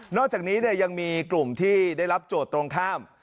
อกจากนี้ยังมีกลุ่มที่ได้รับโจทย์ตรงข้าม